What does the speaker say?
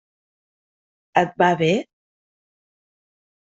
Et va bé?